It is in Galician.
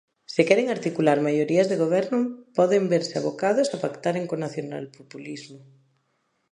Se queren articular maiorías de goberno poden verse abocados a pactaren co nacionalpopulismo.